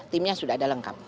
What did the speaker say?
timnya sudah ada lengkap